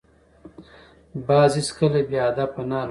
باز هیڅکله بې هدفه نه الوزي